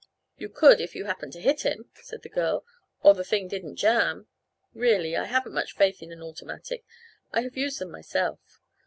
"You could if you happened to hit him," said the girl, "or the thing didn't jam. Really, I haven't much faith in an automatic. I have used them myself."